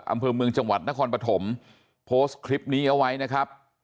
อำเภอเมืองจังหวัดนครปฐมโพสต์คลิปนี้เอาไว้นะครับ